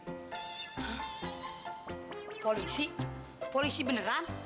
hah polisi polisi beneran